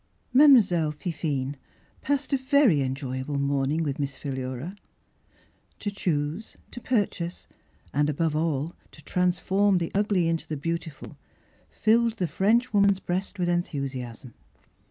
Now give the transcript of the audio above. Mademoiselle Fifine passed a very enjoyable morning with Miss Philura. To choose, to purchase, and above all to transform the ugly into the beautiful, filled the French woman's breast with enthusi asm.